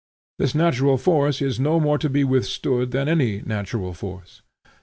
This natural force is no more to be withstood than any other natural force.